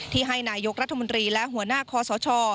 ให้นายกรัฐมนตรีและหัวหน้าคอสช